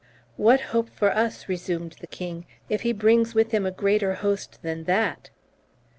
'What hope for us,' resumed the king, 'if he brings with him a greater host than that?'